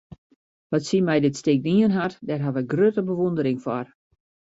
Wat sy mei dit stik dien hat, dêr haw ik grutte bewûndering foar.